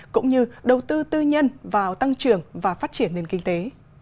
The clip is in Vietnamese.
cũng như đầu tư tư nhân vào tăng trưởng và phát triển nền kinh tế